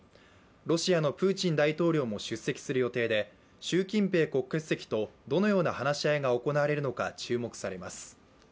ロシアのプーチン大統領も出席する予定で習近平国家主席とどのような話し合いが行われるのか、注目されます。